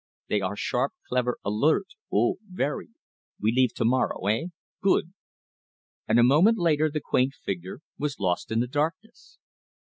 They are sharp, clever, alert oh, ve ry! We leave to morrow eh? Good!" And a moment later the quaint figure was lost in the darkness.